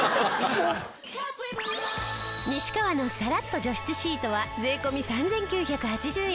西川のサラッと除湿シートは税込３９８０円。